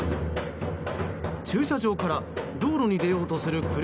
駐車場から道路に出ようとする車。